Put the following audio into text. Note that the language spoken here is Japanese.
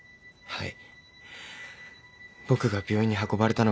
はい。